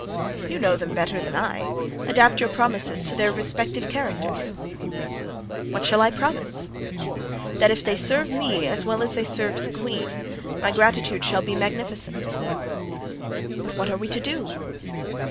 "You know them better than I. Adapt your promises to their respective characters." "What shall I promise?" "That if they serve me as well as they served the queen my gratitude shall be magnificent." "But what are we to do?"